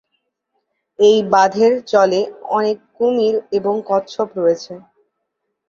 এই বাঁধের জলে অনেক কুমির এবং কচ্ছপ রয়েছে।